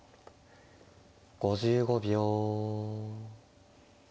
５５秒。